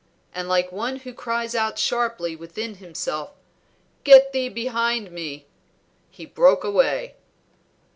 And like one who cries out sharply within himself, "Get thee behind me!" he broke away.